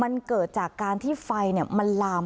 อันดับที่สุดท้าย